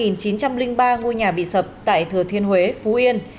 hai chín trăm linh ba ngôi nhà bị sập tại thửa thiên huế phú yên